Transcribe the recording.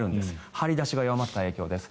張り出しが弱まった影響です。